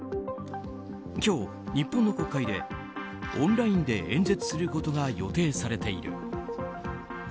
今日、日本の国会でオンラインで演説することが予定されている。